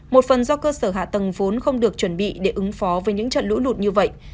một phần do cơ sở hạ tầng vốn không được chuẩn bị để ứng phó với những trận lũ lụt như vậy